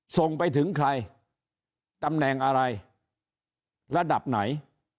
ส่งไปถึงใครตำแหน่งอะไรระดับไหน